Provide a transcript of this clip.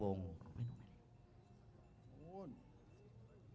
โครงยังไม่ได้